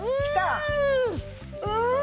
うん！